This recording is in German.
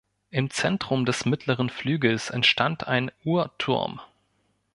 Im Zentrum des mittleren Flügels entstand ein Uhrturm.